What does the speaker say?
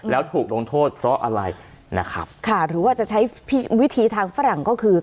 แล้วถูกลงโทษเพราะอะไรนะครับค่ะหรือว่าจะใช้วิธีทางฝรั่งก็คือ